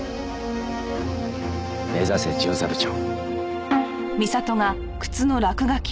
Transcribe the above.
目指せ巡査部長。